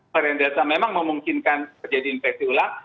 varian delta memang memungkinkan terjadi infeksi ulang